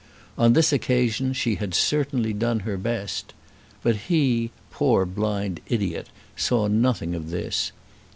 On this occasion she had certainly done her best. But he, poor blind idiot, saw nothing of this.